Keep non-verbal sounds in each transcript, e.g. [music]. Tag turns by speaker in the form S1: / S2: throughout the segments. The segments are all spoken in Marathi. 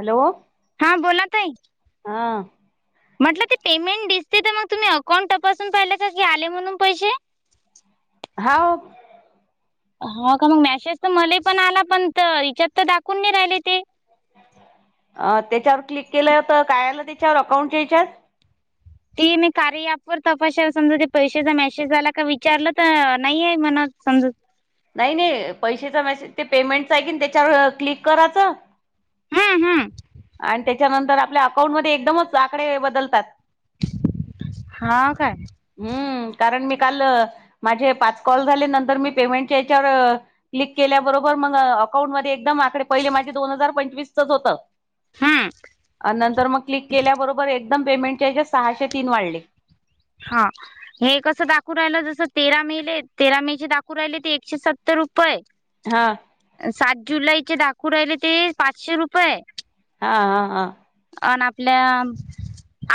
S1: हॅलो.
S2: हा बोला ताई.
S1: हां.
S2: म्हटलं ते पेमेंट दिसते ते मग तुम्ही अकाउंट तपासून पाहिले का, की आले म्हणून पैशे?
S1: हाव.
S2: हा का मग मॅसेज त मलेपण आला, पण त याच्यात त दाखवून नाई रायले ते.
S1: अ त्याच्यावर क्लिक केलं तर काय आलं त्याच्यावर अकाउंटच्या याच्यात
S2: ते मी कार्य ऍपवर तपाशेल समजा ते पैशाचा मेसेज आला का विचारलं त नाईये म्हणत समजत.
S1: नाही नाही पैशचा मेसेज ते पेमेंटचा आहे की नाय त्याच्यावर क्लिक कराचं.
S2: हम्म हम्म
S1: आन त्याच्यानंतर आपल्या अकाउंट मध्ये एकदमच आकडे बदलतात.
S2: हां काय?
S1: हम्म कारण मी काल माझे पाच कॉल झाले नंतर मी पेमेंटच्या याच्यावर क्लिक केल्याबरोबर मग अकाउंट मध्ये एकदम आकडे पहिले माझे दोन हजार पंचवीसचच होतं.
S2: हम्म
S1: अ नंतर मग क्लिक केल्याबरोबर एकदम पेमेंटच्या हेच्यात सहाशे तीन वाढले.
S2: हां. हे कसं दाखवू रायलं जसं तेरा मेले तेरा मे चे दाखवू रायले ते एकशे सत्तर रुपये.
S1: हां.
S2: साठवले की दाखवू राहिले ते पाचशे रुपये?
S1: हां हां हां.
S2: आन आपल्या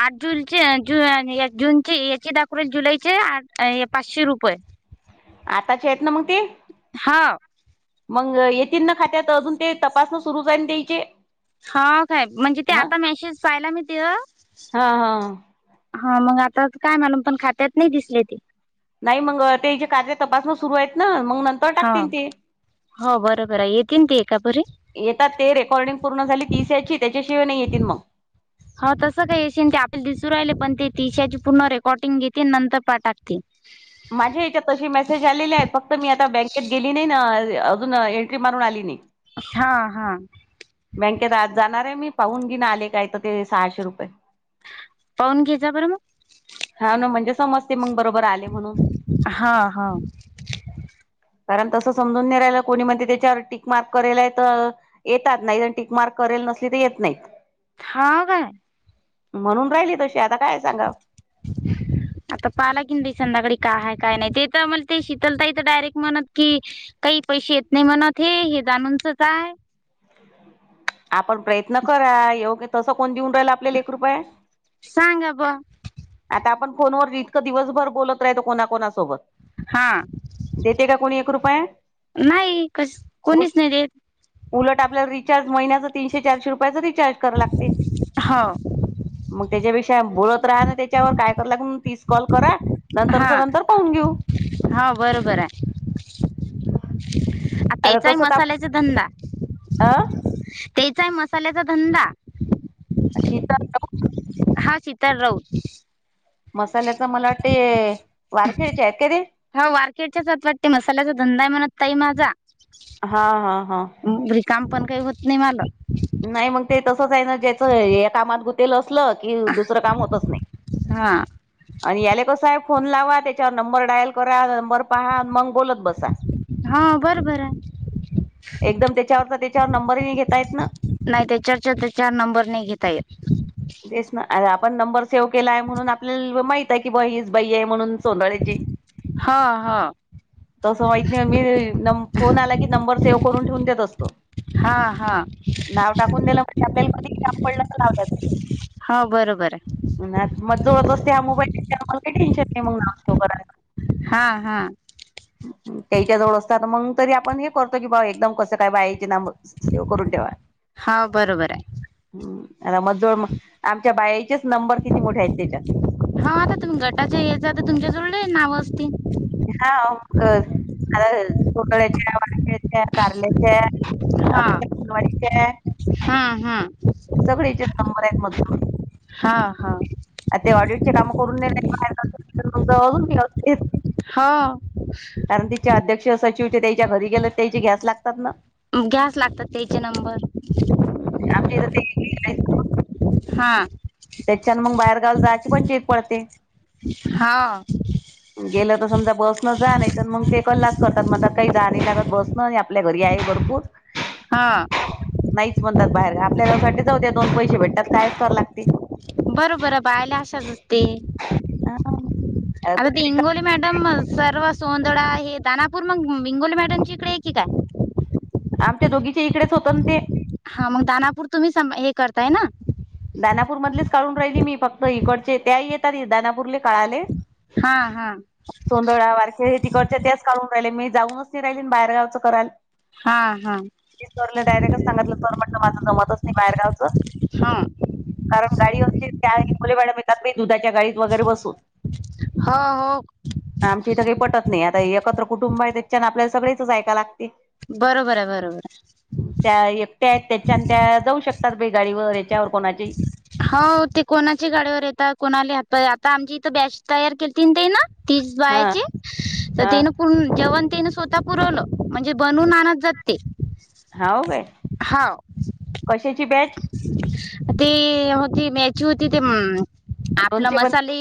S2: आठ जूनचे जून आणि या जून ते एकही दाखवू राहिले जुलैचे आट हे पाचशे रुपये.
S1: आताचे़ हायेत ना मग ते?
S2: हाव.
S1: मंग येतील न खात्यात अजून ते, तपासनं सुरू चै न त्या्यचे.
S2: हा काय? म्हणजे ते आता मेसेज पायला मी ते
S1: हा हा
S2: हा मग आतात काय मालूम पन खात्यात नई दिसले ते.
S1: नाई मंग तेजे कार्य तपासनं सुरू आहेत ना, मंग नंत-
S2: हा. हो बरोबर आहे. येतीन ते एकापरी
S1: येतात ते रेकॉर्डिंग पूर्ण झाली तिस याची, त्याच्याशिवाय नाइ येतींन मग.
S2: हा तसं काई अशीन ते आपल्या दिसू रायले, पन ते तिशयाची पूर्ण रेकॉर्डींग घेतीन नंतर पा टाकती.
S1: माज्या याच्यात तशी मेसेज आलेली आहेत. फक्त मी आता बॅकेत गेली नाई ना अजून एंट्री मारून आली नाही.
S2: हा हा.
S1: बँंकेत आज जाणार आहे मी, पाहून घेईन आले काय ते सहाशे रुपये.
S2: पाऊन घेत जा बरं मग.
S1: हा ना म्हणजे समजते मग बरोबर आले म्हणून.
S2: हा हा
S1: कारण तसं समजून नाई राहीलं कोणी म्हणते त्याच्यावर टीक मार्क करेल आहेत. नाई टिकमार करेल, नसली तर येत नाईत
S2: हा काय?
S1: म्हणून राहिली तशी आता काय सांगाव.
S2: [inaudible] आता पालाकीन बाई संध्याकाळी का हाय काय नाई. ते तर मला ते शितलताई डायरेक्ट म्हनत की काही पैशे येत नाई म्हणत हे जाणूनच आय.
S1: आपण प्रयत्न करा, ह्योबी तसं कोण देऊन राहिलं आपल्याला एक रुपया?
S2: सांगा बुवा.
S1: आता आपण फोनवर इतकं दिवसभर बोलत राहतो कोणाकोणासोबत.
S2: हा,
S1: देते का कोणी एक रुपया
S2: नाही कस
S1: उल
S2: कोणीच नाही देत.
S1: उलट आपल्याला रिचार्ज महिन्याचं तीनशे चारशे रुपयाचं रिचार्ज कराय लागते.
S2: हो
S1: मग त्याच्यापेक्षा बोलत राहा ना त्याच्यावर, काय करू लागे म्हणून तीस कॉल करा. नंतरच नंतर पाहून घेऊ.
S2: हा बरोबर हाय. आ
S1: आता
S2: त्याचाही
S1: तसं तर
S2: मसाल्याचा धंदा.
S1: अ
S2: तेचा हाय मसाल्याचा धंदा.
S1: अशी प्रार्थना बघ.
S2: हा सितार राऊत.
S1: मसाल्याच मला वाटते वारखेळचे आहेत का ते.
S2: हो मार्केटच्याच आात वाटते मसाल्याचा धंदा आहे म्हणत ताई माझा.
S1: हा हा हा.
S2: काम पण काही होत नाही मला.
S1: नाही मग ते तसंच आहे ना, ज्याचं या कामात गुत तेल असलं की दुसरं काम होतच नाही.
S2: हा
S1: आणि याले का साहेब फोन लावा त्, याच्यावर नंबर डायल करा, नंबर पहा मग बोलत बसा.
S2: हा बरोबर आहे
S1: एकदम त्याच्यावरचा तेच्यावर नंबरही घेता येत ना.
S2: नाही त्याच्यावरच्या त्याच्यावर नंबर नाही घेता येत.
S1: तेच ना अरे आपण नंबर सेव्ह केलाय, म्हणून आपल्याला माहित आहे की बाबा हीच बाई आहे म्हणून. सोंडाळेची.
S2: हो हो.
S1: तसं माहित नाही, मी फोन आला की नंबर सेव्ह करून ठेवून देत असतो.
S2: हां हां
S1: नाव टाकून दिलं म्हणजे आपल्याला कधी सापडलं तर लावता येते.
S2: हो बरोबर आहे
S1: मग जवळ बसत्या हा मोबाईल घीत्या, मला काही टेन्शन नाही मग नाव सेव करायला.
S2: हां हां.
S1: त्याच्या जवळ असतात मग तरी आपण हे करतो की, भाऊ एकदम कसं काय बायायचे नाम सेव करून ठेवा.
S2: हा बरोबर आहे
S1: [unintelligible] जवळ मग आमच्या बायाचेच नंबर किती मोठे आहेत तेच्यात.
S2: हा आता तुम्ही गटाच्या [unintelligible] तर तुमच्याकडं लय नाव असतील?
S1: हा आता पोकळ्याच्या, वाळक्याच्या, कारल्याच्या. [unintelligible]
S2: हां हां.
S1: सगळे येच्यात नंबर आहेत म
S2: हा. हा.
S1: ते ऑडिटचे कामं करून [unintelligible] बाहेर [unintelligible] अजून मी असतेच.
S2: हो.
S1: कारण तिचे अध्यक्ष, सचिवचे त्याच्या घरी गेलं, त्याची गॅस लागतात ना?
S2: घ्यायचं लागतात त्याचे नंबर
S1: आमच्या इथं ते
S2: हा.
S1: त्याच्यान मग बाहेरगावला जायची पण पंचीत पडते.
S2: हा
S1: गेलं तर समजा बसनं जा, नाहीतर मग ते कल्लाच करतात म्हणतात काही जाणे लागत बस म हे आपल्या घरी आहे भरपूर.
S2: हा.
S1: नाहीच म्हणतात बाहेर का. आपल्यासाठी जाऊ द्यात, दोन पैसे भेटतात कायच कराय लाग
S2: बरोबर बायाला अशाच असते,
S1: अ
S2: आता ते इंगवले मॅडम सर्व सोंदडा हे दानापूर मग हिंगोली मॅडमच्या इकडे आहे की काय?
S1: आमच्या दोघीच्या इकडेच होतं अन ते
S2: हा मग दानापूर तुम्ही स हे करताय ना
S1: दानापूर मधलेच काढून राहिली मी फक्त इकडचे त्याही येतात दानापूरले. कळाले?
S2: हा हा
S1: सोंदळा वारखे हे तिकडचे तेच काढून राहिले मी जाऊनच नाही राहिली बाहेरगावचं कराय.
S2: हा हा
S1: मी सर डायरेक्टच सांगितलं सर म्हणलं, माझं जमतच नाही बाहेरगावचं.
S2: हां.
S1: कारण गाडी असतील त्यांगोले मॅडम येतात बाई दुधाच्या गाडी. वगैरे बसू
S2: हो हो
S1: आमच्या इथं काही पटत नाही आता एकत्र कुटुंब आहे त्याच्यान सगळ्याच ऐकाय लागतंय.
S2: बरोबर आहे बरोबर आहे.
S1: त्या एकट्या आहेत त्याच्यान त्या जाऊ शकतात गाडीवर याच्यावर कुणाच्याही.
S2: हो ते कोणाच्या गाड्यावर येता, कोणालाही हात आता आमची इथं बॅच तयार केलती ना तेनं तीस
S1: हा
S2: बायाची तर
S1: हा
S2: तिनं फुल जेवण तिनं स्वतः पुरवलं म्हणजे बनवून आणत जाते.
S1: हाव काय कशाची बॅच?
S2: अं ते ह ते मॅची होते ते अ आपला
S1: लोणचे पण
S2: मसाले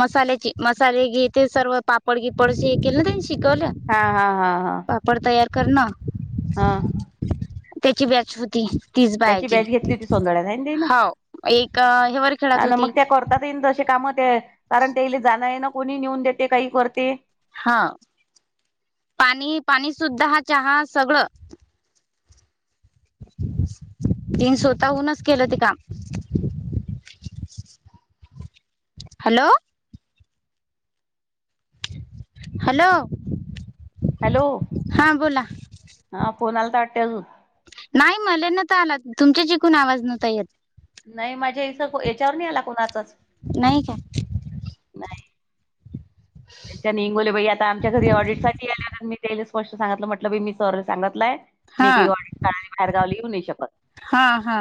S2: मसाल्याची मसाले हे ते सर्व पापड-गिपड केलं ना ते शिकवलं.
S1: हा हा हा हा.
S2: पापड तयार करनं
S1: हा
S2: त्याची बॅच होती. तीच बाई
S1: त्याची
S2: ती
S1: बॅच घेतली होती सोंदळ्यात आहे ना ते ना
S2: हव एक हिवरखेड्यात होती.
S1: हातात येईन तशे काम ते कारण तेईले जाणं येन कोणी नेऊन देते काही करते.
S2: हा पाणी, पाणी सुद्धा हा चहा सगळं. तीनं स्वतःहूनच केलं ते काम. हॅलो. हालो.
S1: हॅलो, हा फोन आला वाटतंय अजून.
S2: नाही मले नता आला तुमच्या जिकून आवाज नव्हता येत.
S1: नाही माझ्यास याच्यावर नाही आला कोणाचाच.
S2: नाही काय.
S1: नाही. त्याच्या हिंगोले बाई आता आमच्या घरी ऑडिटसाठी आल्यानं मी त्याले स्पष्ट सांगितलं. म्हटलं मी बाई सर सांगतलंय मी काय
S2: हा
S1: ऑडिट [unintelligible] बाहेर गावला येऊ नाय शकतं.
S2: हा हा.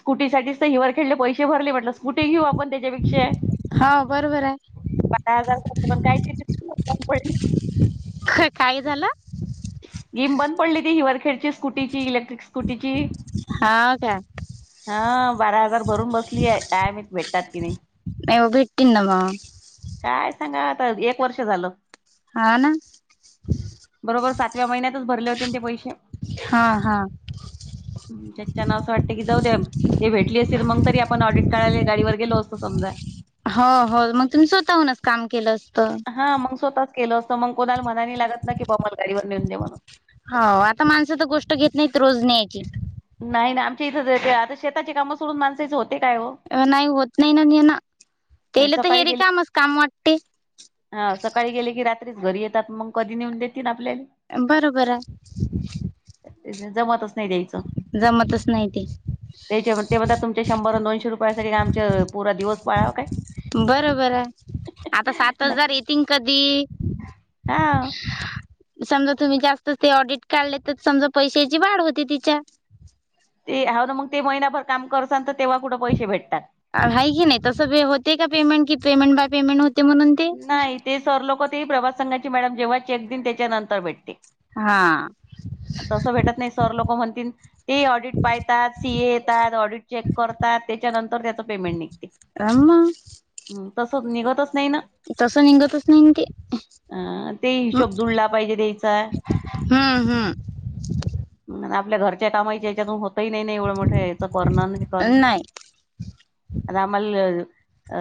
S1: स्कुटीसाठीच तर हि वर खेडले पैसे भरले, म्हटलं स्कूटी घेऊ आपण त्याच्यापेक्षा.
S2: हो बरोबर हाय.
S1: बारा हजार पण काय [unintelligible] म्हणताना पडली.
S2: काय झालं.
S1: गेम बंद पडली ती हिवरखेडची स्कूटीची, इलेक्ट्रिक स्कूटीची.
S2: हा काय
S1: हा बारा हजार भरून बसली आहे कायम भेटतात कि नाही.
S2: हो भेटतील ना मग.
S1: काय सांगावं आता एक वर्ष झालं.
S2: हा ना.
S1: बरोबर सातव्या महिन्यातच भरले होते ना ते पैसे.
S2: हा [inaudible]
S1: ते त्यांना असं वाटतं की जाऊ द्या. ते भेटले असते तर मग आपण ऑडिट काढायला गाडीवर गेलो असतो समजा.
S2: हो हो, मग तुम्ही स्वतःहूनच काम केलं असतं.
S1: हा मग स्वतःच केलं असतं, मग कोणाला म्हणाय नाही लागत ना की, बाबा मला गाडीवर नेऊन दे म्हणून.
S2: हो आता माणसाचं गोष्ट घेत नाहीत रोज न्यायची.
S1: नाही ना आमच्या इथं जर ते आता शेताची कामं सोडून माणसेच होत
S2: नाही होत नाही नाही ना हेन,
S1: म्हणजे
S2: तेला तर हे
S1: सकाळी गेले
S2: रिकामच काम वाटते.
S1: हा सकाळी गेले की रात्रीच घरी येतात मग कधी नेऊन देतील आपल्यालेले.
S2: बरोबर हाय‌. [inaudible]
S1: जमतच नाही द्यायचं.
S2: जमतच नाही ते.
S1: त्याच्या ते म्हणतात तुमच्या शंभर आणि दोनशे रुपयासाठी काय आमचे पुरा दिवस पळावा काय.
S2: बरोबर आहे. आता सात
S1: नाही
S2: हजार येतीन कधी?
S1: हा
S2: [unintelligible] समजा तुम्ही जास्तच ऑडिट काढले तर समजा पैशाची वाढ होती तिच्या.
S1: ते हाव ना मग, ते महिनाभर काम करसाल तर तेव्हा कुठं पैसे भेटतात.
S2: आहे की नाही तसं होते का पेमेंट की पेमेंट बाय पेमेंट होते म्हणून ते
S1: नाही ते सर लोक होते प्रभास संघाची मॅडम जेव्हा चेक दिन त्याच्यानंतर भेटते.
S2: हा
S1: तस भेटत नाही. सर लोक म्हणतील ते ऑडिट पाहतात, सी ए येतात, ऑडिट चेक करतात, त्याच्यानंतर त्याच पेमेंट निघते.
S2: राहुना.
S1: हम्म तसंच निघतच नाही ना.
S2: तस निघतच नाही की.
S1: अ ते हिशोब जुळला पाहिजे द्यायचा.
S2: हा हा.
S1: मग आपल्या घरच्या कामाचे याच्यातून होतही नाही नाही एवढं मोठं याच करण हे करण.
S2: नाही
S1: आता आम्हाल अ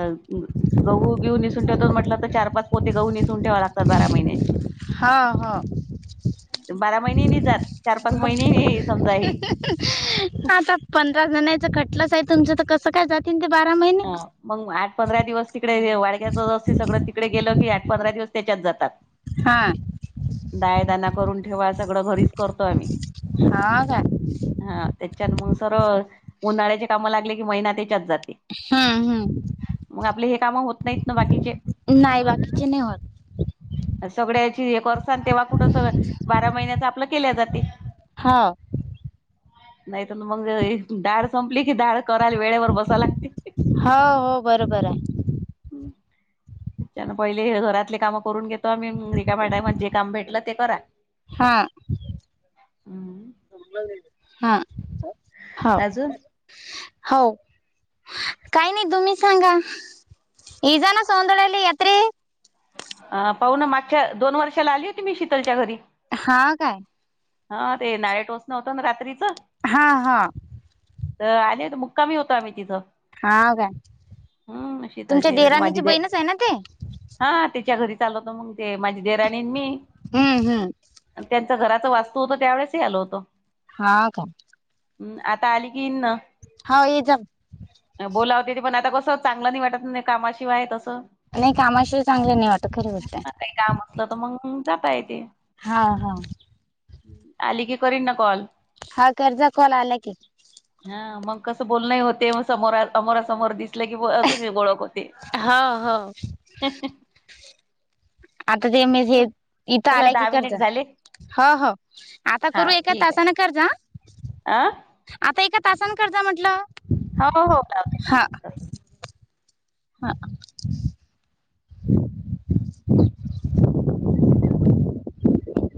S1: गहू बिऊ निसून ठेवतो, म्हटलं तर चार पाच पोती गहू निसळून ठेवाय लागतात बारा महिन्याचे.
S2: हा हो.
S1: बारा महिने नाही जात. चार पाच महिने हे समजा हे
S2: आता पंधराजण आहेत. कटलंच आहे तुमचं तर कसं काय जातीन ते बारा महिन
S1: हा मग आठ पंधरा दिवस तिकडे व्यवहार घ्यायचा असतोय सगळं तिकडे गेलो की आठ पंधरा दिवस त्याच्यात जातात.
S2: हा.
S1: दाय दाना करून ठेवा, सगळं घरीच करतोय आम्ही.
S2: हो काय
S1: हा त्याच्या मग स रोज उन्हाळ्याचे कामं लागले की महिना त्याच्यात जाते.
S2: हम्म हम्म.
S1: मग आपले हे कामं होत नाहीत ना बाकीचे.
S2: नाही बाकीचे नाही. [unintelligible]
S1: सगळ्याची एक वर्सान तेव्हा कुठं सगळ बारा महिन्याच आपलं केल्या जाती.
S2: हाव.
S1: नाही तर मग, डाळ संपली की डाळ करायला वेळेवर बसाय लागती.
S2: हो हो बरोबर हाय. [inaudible]
S1: त्यांनं पहिले हे घरातले कामं करून घेतो आम्ही. रिकाम्या टायमात जे काम भेटलं ते करा.
S2: हां हां हाल.
S1: अजून
S2: हो. काय नाही, तुम्ही सांगा? [unintelligible]
S1: अ पाहु ना मागच्या दोन वर्षाला आली होती मी शीतलच्या घरी.
S2: हा काय.
S1: हा ते नाळे टोचणं होतं ना रात्रीचं.
S2: हा हा.
S1: तर आले होतेत हो मुक्कामी होतो आम्ही तिथं.
S2: हाव काय
S1: हम्म
S2: तुमच्या
S1: शीतलच्या इथं माझी
S2: देराणीची
S1: दे
S2: बहीणच आहे ना ती?
S1: हा त्याच्या घरी चालवतो मग ते माझी देवराणी आणि मी.
S2: हम्म हम्म
S1: त्यांच घराच वास्तू होत त्यावेळेसही आलं होतं.
S2: हा का?
S1: हम्म आता आली की यीनं.
S2: हा ये जा.
S1: बोलावते ते पण, आता कसं चांगलं नाही वाटत नाही कामाशिवाय तसं.
S2: नाही कामाशी चांगले नाही वाटतं खरं बोलतेय.
S1: काही काम असलं तर मंग जाता येते.
S2: हा हा.
S1: आली की करीन ना कॉल.
S2: हा करजा कॉल आला की.
S1: हा. मग कसं बोलनंही होते. मग समोरा अमोरा समोर दिस लाग आज हे बळकशी
S2: हो हो
S1: [unintelligible]
S2: आता ते मी हे इथं
S1: चला
S2: आल्या की
S1: दहा मिनिट
S2: करतनं.
S1: झाले.
S2: हो हो. आता करू एका तासाने कर जा हा.
S1: आ?
S2: आता एका तासान कर जा म्हटलं.
S1: हो हो
S2: हा
S1: [unintelligible]
S2: हा. [inaudible]